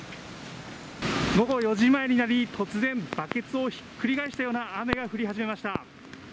午後４時前になり、突然、バケツをひっくり返したような雨が降り始めました。